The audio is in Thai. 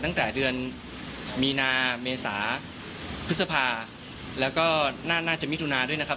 ตั้งแต่เดือนมีนาเมษาพฤษภาแล้วก็น่าจะมิถุนาด้วยนะครับ